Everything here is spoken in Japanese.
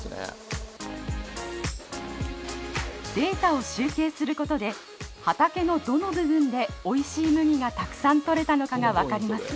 データを集計することで畑のどの部分でおいしい麦がたくさん採れたのかが分かります。